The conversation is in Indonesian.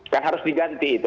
kan harus diganti itu